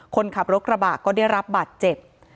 คนขับรถกระบะก็ได้รับบาดเจ็บ